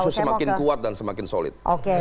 justru semakin kuat dan semakin solidaritasnya itu